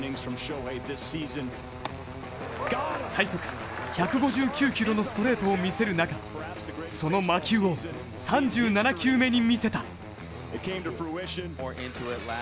最速１５９キロのストレートを見せる中、その魔球を３７球目に見せた。